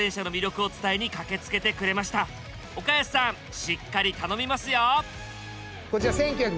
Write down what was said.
しっかり頼みますよ！